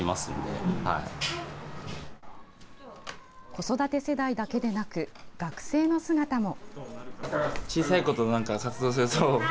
子育て世代だけでなく学生の姿も。